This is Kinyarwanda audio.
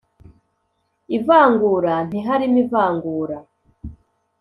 Ivangura ntiharimo ivangura